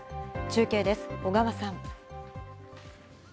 中継です、小川さん。